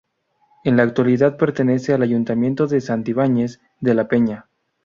En la actualidad pertenece al Ayuntamiento de Santibañez de la Peña.